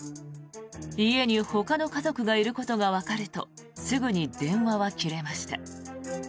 家にほかの家族がいることがわかるとすぐに電話は切れました。